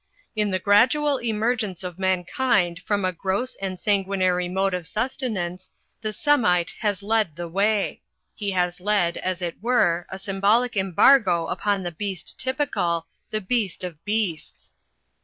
In the gra dual emergence of mankind from a gross and sanguin ary mode of sustenance, the Semite has led the way. He has laid, as it were, a sjrmbolic embargo upon the beast typical, the beast of beasts.